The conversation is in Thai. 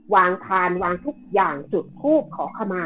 พานวางทุกอย่างจุดทูบขอขมา